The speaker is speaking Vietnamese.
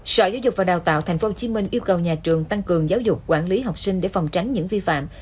sở giáo dục và đào tạo tp hcm yêu cầu nhà trường tăng cường giáo dục quản lý học sinh để phòng tránh những vi phạm